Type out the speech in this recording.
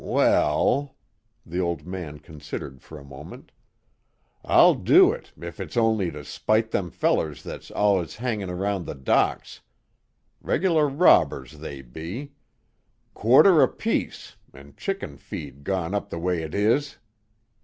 "Well" the old man considered for a moment "I'll do it, if it's only to spite them fellers that's allus hangin' 'round the docks. Reg'lar robbers, they be. Quarter apiece, an' chicken feed gone up the way't is.